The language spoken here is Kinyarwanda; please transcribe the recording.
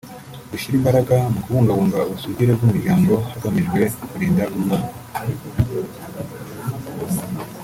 gushyira imbaraga mu kubungabunga ubusugire bw’umuryango hagamijwe kurinda umwana